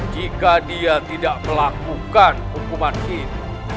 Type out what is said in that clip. jika dia tidak melakukan hukuman itu